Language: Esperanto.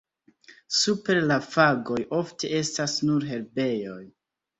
Super la fagoj ofte estas nur herbejoj.